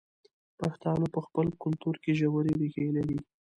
پښتانه په خپل کلتور کې ژورې ریښې لري.